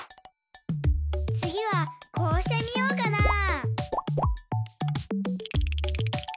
つぎはこうしてみようかな？